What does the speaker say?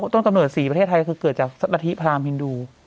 ต้นกำเนิดสีประเทศไทยก็คือเกิดจากสัตว์อาทิตย์พระอาหารฮินดู